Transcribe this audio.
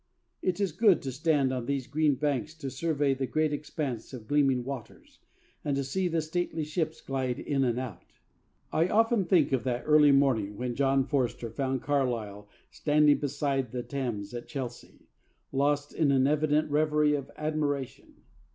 It is good to stand on these green banks, to survey the great expanse of gleaming waters, and to see the stately ships glide in and out. I often think of that early morning when John Forster found Carlyle standing beside the Thames at Chelsea, lost in an evident reverie of admiration.